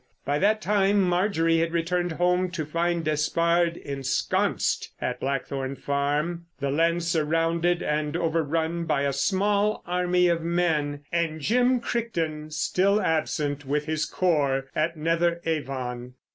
By that time Marjorie had returned home to find Despard ensconsed at Blackthorn Farm, the land surrounded and over run by a small army of men, and Jim Crichton still absent with his corps at Netheravon.